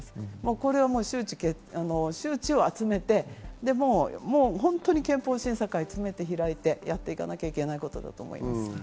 これは周知を集めて本当に憲法審査会を詰めて開いてやっていかなきゃいけないことだ